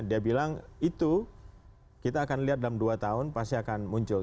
dia bilang itu kita akan lihat dalam dua tahun pasti akan muncul